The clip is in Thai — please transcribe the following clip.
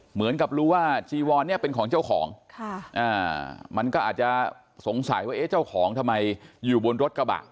เหมือนกับรู้ว่าจีวอนเนี่ยเป็นของเจ้าของมันก็อาจจะสงสัยว่าเอ๊ะเจ้าของทำไมอยู่บนรถกระบะ